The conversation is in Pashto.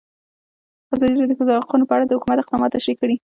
ازادي راډیو د د ښځو حقونه په اړه د حکومت اقدامات تشریح کړي.